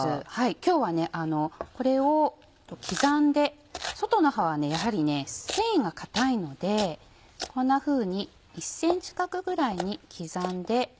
今日はこれを刻んで外の葉はやはり繊維が硬いのでこんなふうに１ｃｍ角ぐらいに刻んで。